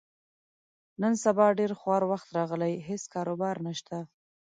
نن سبا ډېر خوار وخت راغلی، هېڅ کاروبار نشته.